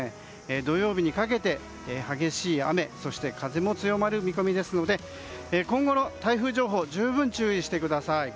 土曜日にかけて激しい雨そして風も強まる見込みですので今後の台風情報十分注意してください。